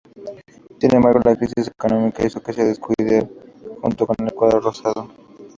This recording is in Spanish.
Sin embargo, la crisis económica hizo que descienda junto al cuadro rosado.